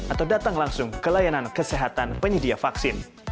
atau datang langsung ke layanan kesehatan penyedia vaksin